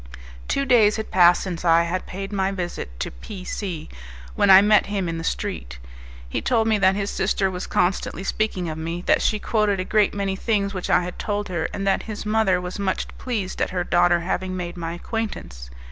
Two days had passed since I had paid my visit to P C , when I met him in the street. He told me that his sister was constantly speaking of me, that she quoted a great many things which I had told her, and that his mother was much pleased at her daughter having made my acquaintance.